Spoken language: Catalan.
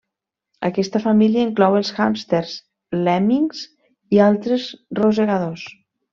Aquesta família inclou els hàmsters, lèmmings i altres rosegadors.